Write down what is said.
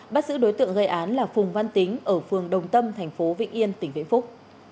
bắt giữ đối tượng gây án là phùng văn tính ở phường đồng tâm thành phố vĩnh yên tỉnh vĩnh phúc